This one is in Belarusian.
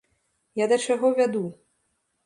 Я да чаго вяду.